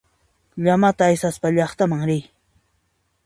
Llamata aysaspa llaqtaman riy.